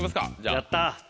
やった。